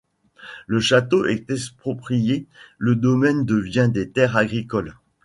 Le château est expropriée, le domaine devient des terres agricoles.